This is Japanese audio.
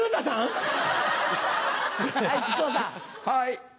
はい。